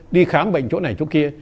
đi khám bệnh chỗ này chỗ kia